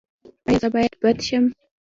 ایا زه باید بد شم؟